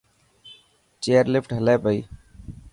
چيئرلفٽ هلي پئي